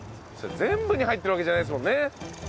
全部に入ってるわけじゃないですもんね。